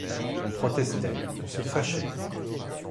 On protestait, on se fâchait.